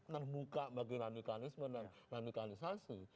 terbuka bagi radikalisme dan radikalisasi